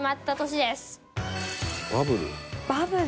バブル。